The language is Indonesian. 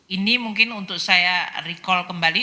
ini mungkin untuk saya recall kembali